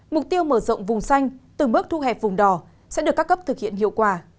mục tiêu mở rộng vùng xanh từng bước thu hẹp vùng đỏ sẽ được các cấp thực hiện hiệu quả